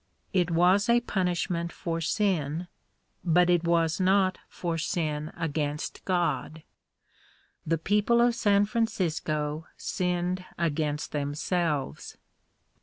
It was a punishment for sin; but it was not for sin against God. The people of San Francisco sinned against themselves.